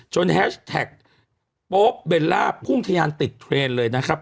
แฮชแท็กโป๊ปเบลล่าพุ่งทะยานติดเทรนด์เลยนะครับ